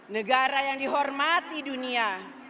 negara yang dihormati dunia